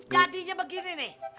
jadinya begini nih